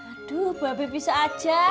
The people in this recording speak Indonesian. aduh babi pisah aja